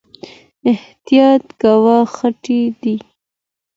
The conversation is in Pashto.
احتياط کوه، خټې دي